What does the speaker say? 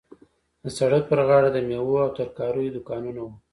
د سړک پر غاړه د میوو او ترکاریو دوکانونه وو.